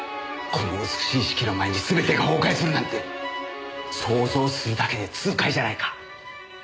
この美しい式の前に全てが崩壊するなんて想像するだけで痛快じゃないか。